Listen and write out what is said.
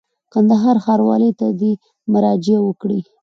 کندهار ښاروالۍ ته دي مراجعه وکړي.